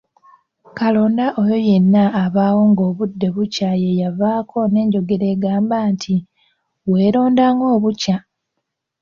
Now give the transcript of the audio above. "Kalonda oyo yenna abaawo ng’obudde bukya yeeyavaako n’enjogera egamba nti, “weeronda ng’obukya!"